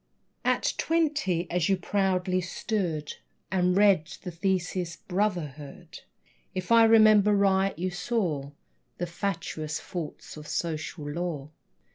At twenty, as you proudly stood And read your thesis, "Brotherhood," If I remember right, you saw The fatuous faults of social law.